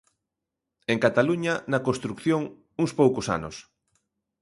En Cataluña, na construción, uns poucos anos.